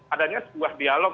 adanya sebuah dialog